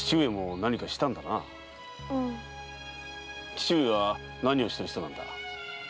父上は何をしてる人なんだ？